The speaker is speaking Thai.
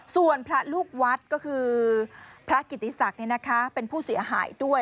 ส่วนพระลูกวัดก็คือพระกิติศักดิ์เป็นผู้เสียหายด้วย